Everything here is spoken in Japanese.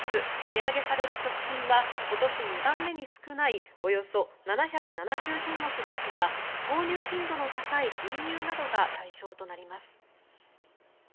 値上げされる食品は今年２番目に少ないおよそ７７０品目ですが購入頻度の高い牛乳などが対象となります。